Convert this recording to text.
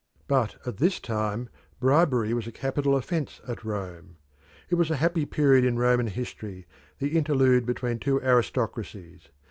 But at this time bribery was a capital offence at Rome. It was a happy period in Roman history, the interlude between two aristocracies.